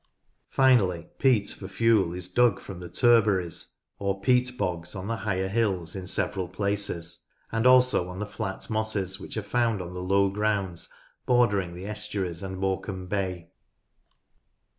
Finally peat for fuel is dug from the turbaries or peat .MIXES AND QUARRIES L07 bogs on the higher hills in several places, and also on the flat mosses which are found on the low grounds bordering the estuaries and Morecambe Bay.